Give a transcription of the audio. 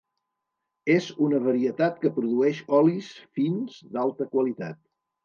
És una varietat que produeix olis fins d'alta qualitat.